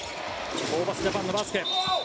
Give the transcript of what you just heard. ホーバスジャパンのバスケ。